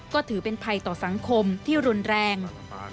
ก็ถือเป็นภัยต่อสังคมที่รุนแรง